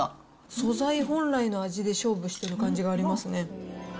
素材本来の味で勝負してる感じがありますね。